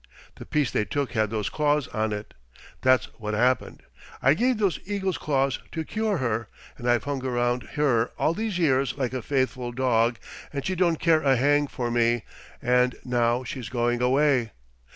The piece they took had those claws on it. That's what happened. I gave those eagle's claws to cure her, and I've hung around her all these years like a faithful dog, and she don't care a hang for me, and now she's going away.